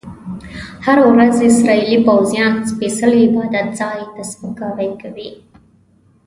هره ورځ اسرایلي پوځیان سپیڅلي عبادت ځای ته سپکاوی کوي.